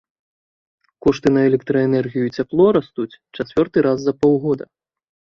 Кошты на электраэнергію і цяпло растуць чацвёрты раз за паўгода!